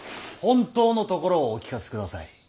本当のところをお聞かせください